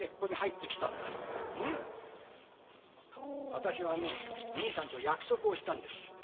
私は兄さんと約束をしたんです。